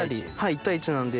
１対１なんで。